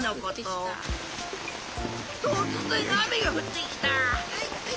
とつぜんあめがふってきた。